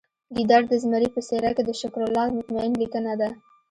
ګیدړ د زمري په څیره کې د شکرالله مطمین لیکنه ده